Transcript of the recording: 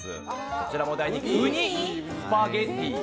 こちらも大人気、ウニスパゲティ。